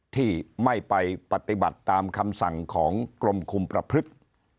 ที่ไม่ไปปฏิบัติตามคำสั่งของกรมคุมประพฤติ